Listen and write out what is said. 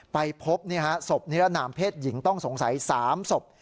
ไปพบศพนิรนามเพศหญิงต้องสงสัย๓ศพ